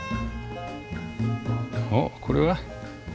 おっこれは？